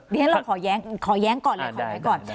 เดี๋ยวเราขอย้างก่อนเลยขอไว้ก่อน